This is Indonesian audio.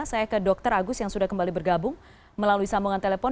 saya ke dr agus yang sudah kembali bergabung melalui sambungan telepon